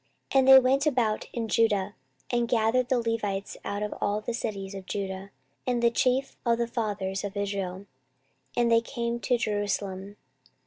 14:023:002 And they went about in Judah, and gathered the Levites out of all the cities of Judah, and the chief of the fathers of Israel, and they came to Jerusalem.